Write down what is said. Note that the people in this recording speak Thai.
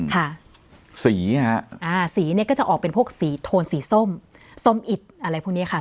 ค่ะสีฮะอ่าสีเนี้ยก็จะออกเป็นพวกสีโทนสีส้มส้มอิดอะไรพวกเนี้ยค่ะ